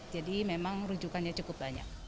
jadi memang rujukannya cukup banyak